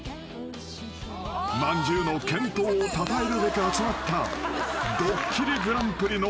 ［まんじゅうの健闘をたたえるべく集まった］